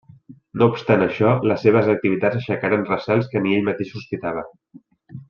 No obstant això, les seves activitats aixecaren recels que ni ell mateix sospitava.